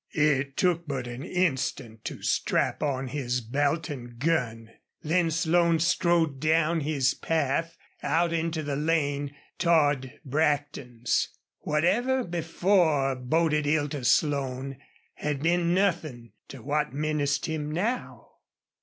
It took but an instant to strap on his belt and gun. Then Slone strode down his path, out into the lane toward Brackton's. Whatever before boded ill to Slone had been nothing to what menaced him now.